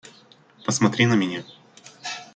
Посмотри на меня.